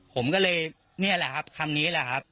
ผมก็เลยนี่แหละครับคำนี้แหละครับ